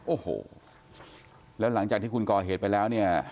โอ้โหแล้วหลังจากที่คุณก่อเหตุไปแล้วเนี่ย